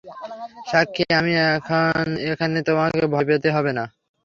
সাক্ষী, আমি এখন এখানে, তোমাকে ভয় পেতে হবে না।